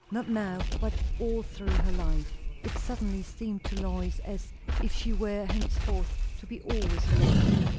not now, but all through her life. It suddenly seemed to Lois as if she were henceforth to be always alone.